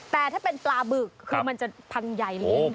แต่ถ้าเป็นปลาบึกคือมันจะพังใหญ่เลย